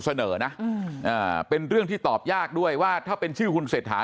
เสนอนะเป็นเรื่องที่ตอบยากด้วยว่าถ้าเป็นชื่อคุณเศรษฐา